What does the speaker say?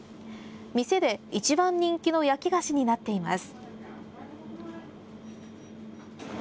店でいちばん人気の焼き菓子になっています。